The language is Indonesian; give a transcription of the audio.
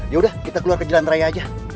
yaudah kita keluar ke jalan raya aja